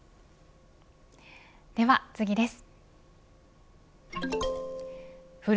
では次です。